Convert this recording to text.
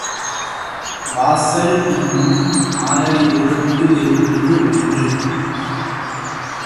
வாசல் இன்னும் நாலடிதுரத்தில் இருந்தது ஒன்று.